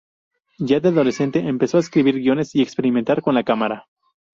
Ya de adolescente, empezó a escribir guiones y experimentar con la cámara.